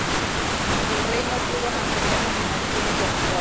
El rey no pudo mantener la monarquía en Portugal.